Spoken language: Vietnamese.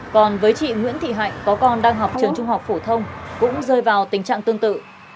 còn với chị nguyễn thị hạnh có con đang học trường trung học phổ thông cũng rơi vào tình trạng tương tự